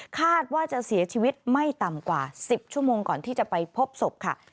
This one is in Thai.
คาดว่าจะเสียชีวิตไม่ต่ำกว่า๑๐ชั่วโมงก่อนที่จะไปพบศพค่ะ